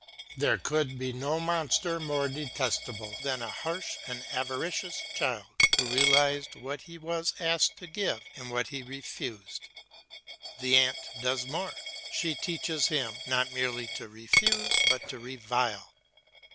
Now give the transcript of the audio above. There could be no monster more detestable than a harsh and avaricious child, who realised what he was asked to give and what he refused. The ant does more; she teaches him not merely to refuse but to revile.